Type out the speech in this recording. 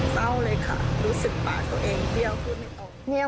เศร้าเลยค่ะรู้สึกปากตัวเองเบี้ยวขึ้นไม่ออก